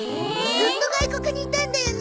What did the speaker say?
ずっと外国にいたんだよね。